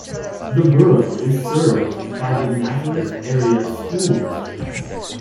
The Borough is served by the Nazareth Area School District.